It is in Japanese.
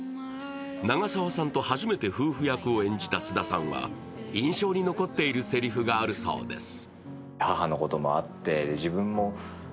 長澤さんと初めて夫婦役を演じた菅田さんは印象に残っているせりふがあるそうです。